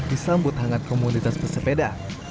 disambut hangat komunitas bersepeda